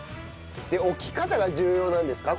置き方が重要なんですか？